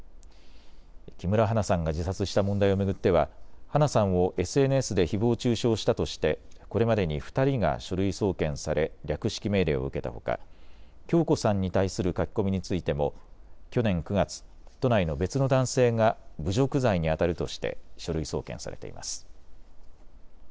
木村花さんが自殺した問題を巡っては花さんをＳＮＳでひぼう中傷したとしてこれまでに２人が書類送検され略式命令を受けたほか響子さんに対する書き込みについても去年９月、都内の別の男性が侮辱罪にあたるとして書類送検されています。